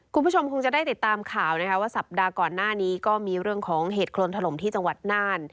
คุณผู้ชมคงจะได้ติดตามข่าวนะคะว่าสัปดาห์ก่อนหน้านี้ก็มีเรื่องของเหตุโครนถล่มที่จังหวัดน่าน